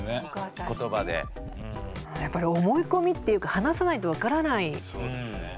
やっぱり思い込みっていうか話さないと分からないね。